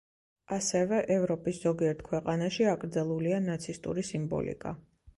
ასევე, ევროპის ზოგიერთ ქვეყანაში აკრძალულია ნაცისტური სიმბოლიკა.